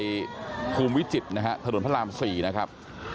แห่งหนึ่งในซอยภูมิวิจิตนะฮะถนนพระราม๔นะครับ